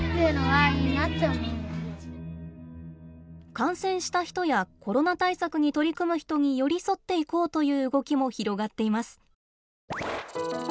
感染した人やコロナ対策に取り組む人に寄り添っていこうという動きも広がっています。